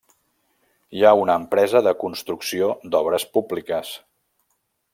Hi ha una empresa de construcció d'obres públiques.